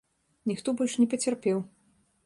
Ніхто больш не пацярпеў.